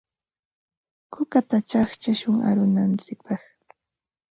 Kukata chaqchashun arunantsikpaq.